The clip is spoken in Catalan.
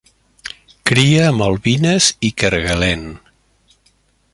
Cria a Malvines i Kerguelen.